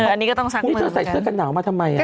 อันนี้ก็ต้องซักมือเหรออุ้ยจะใส่เสื้อกันหนาวมาทำไมอะ